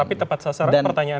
tapi tepat sasaran pertanyaannya